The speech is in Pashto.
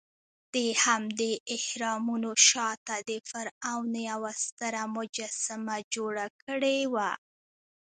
دهمدې اهرامونو شاته د فرعون یوه ستره مجسمه جوړه کړې وه.